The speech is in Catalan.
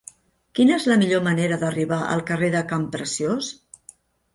Quina és la millor manera d'arribar al carrer de Campreciós?